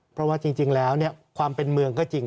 เพราะว่าจริงแล้วความเป็นเมืองก็จริง